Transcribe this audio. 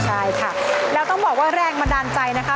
ใช่ค่ะแล้วต้องบอกว่าแรงบันดาลใจนะคะ